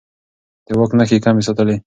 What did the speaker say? د واک نښې يې کمې ساتلې.